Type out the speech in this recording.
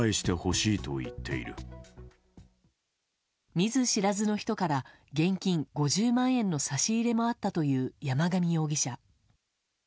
見ず知らずの人から現金５０万円の差し入れもあったという山上容疑者。